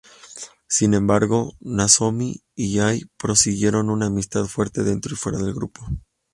Sin embargo, Nozomi y Ai prosiguieron su amistad fuerte dentro y fuera del grupo.